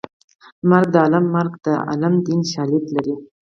مرګ د عالم مرګ د عالم دیني شالید لري